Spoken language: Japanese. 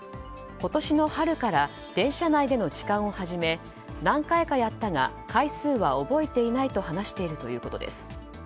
今年の春から電車内での痴漢を始め何回かやったが回数は覚えていないと話しているということです。